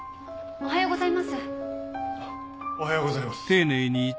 おはようございます。